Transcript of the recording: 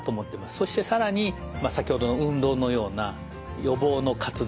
そして更に先ほどの運動のような予防の活動。